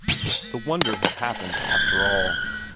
The wonder had happened after all.